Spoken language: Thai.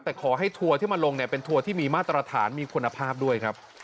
แต่ขอให้ทัวร์ที่มาลงเนี่ยเป็นทัวร์ที่มีมาตรฐานมีคุณภาพด้วยครับ